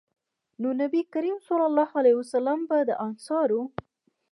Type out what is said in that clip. نو نبي کريم صلی الله علیه وسلّم به د انصارو